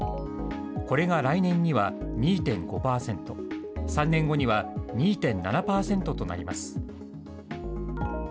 これが来年には２．５％、３年後には２．７％となります。